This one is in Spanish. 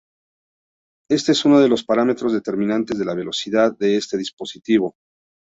Este es uno de los parámetros determinantes de la velocidad de este dispositivo.